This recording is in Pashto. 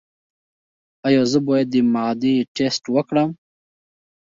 ایا زه باید د معدې ټسټ وکړم؟